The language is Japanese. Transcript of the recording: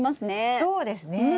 そうですねえ。